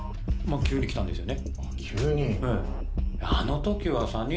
まぁ急に来たんですよね